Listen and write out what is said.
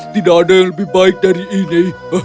tidak ada yang lebih baik dari ini